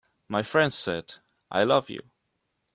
My friend said: "I love you.